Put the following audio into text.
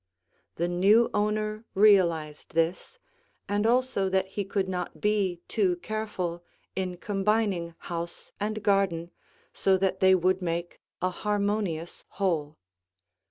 The new owner realized this and also that he could not be too careful in combining house and garden so that they would make a harmonious whole.